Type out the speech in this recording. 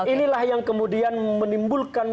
inilah yang kemudian menimbulkan